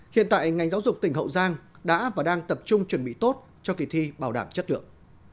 hiện tại ngành giáo dục tỉnh hậu giang đã và đang tập trung chuẩn bị tốt cho kỳ thi bảo đảm chất lượng